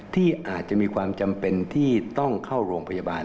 ที่อาจจะมีความจำเป็นที่ต้องเข้าโรงพยาบาล